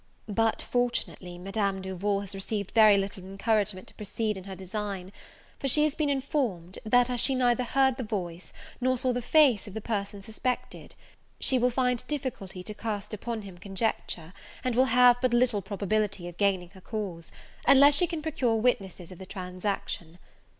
But, fortunately, Madame Duval has received very little encouragement to proceed in her design; for she has been informed, that, as she neither heard the voice, nor saw the face of the person suspected, she will find difficulty to cast him upon conjecture, and will have but little probability of gaining her cause, unless she can procure witnesses of the transaction.